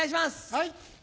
はい。